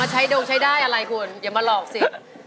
ใช้ดงใช้ได้อะไรคุณอย่ามาหลอกสิ